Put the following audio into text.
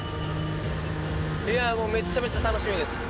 いやもうめっちゃめちゃ楽しみです。